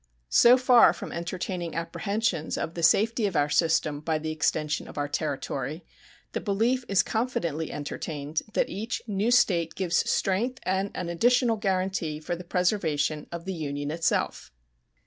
So far from entertaining apprehensions of the safety of our system by the extension of our territory, the belief is confidently entertained that each new State gives strength and an additional guaranty for the preservation of the Union itself.